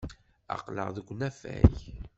Aql-aɣ deg unafag.